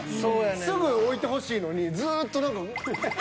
すぐ置いてほしいのにずっと何か。